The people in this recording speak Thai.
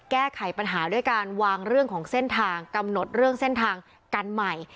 แก้ไขปัญหาด้วยการวางเรื่องของเส้นทางกำหนดเรื่องเส้นทางกันใหม่